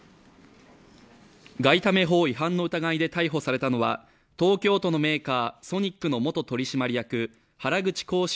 外為法違反の疑いで逮捕されたのは東京都のメーカー、ソニックの元取締役・原口康史